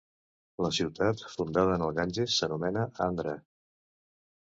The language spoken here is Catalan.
La ciutat fundada en el Ganges s'anomena Andhra.